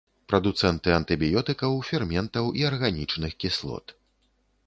Прадуцэнты антыбіётыкаў, ферментаў і арганічных кіслот.